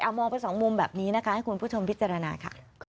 มองไปสองมุมแบบนี้นะคะให้คุณผู้ชมพิจารณาค่ะ